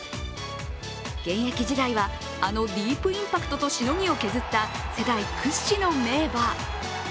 現役時代は、あのディープインパクトとしのぎを削った世代屈指の名馬。